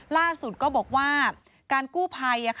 ล่าสุดก็บอกว่าการกู้ภัย